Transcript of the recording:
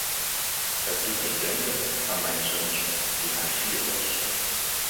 Het doet me denken aan mijn zoontje, toen hij vier was.